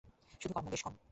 শুধু কম না, বেশ কম।